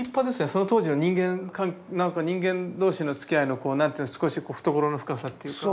その当時の人間何か人間同士のつきあいの何というんですか少し懐の深さっていうか。